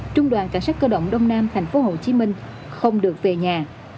trung đoàn cảnh sát cơ động đông nam tp hcm không được về nhà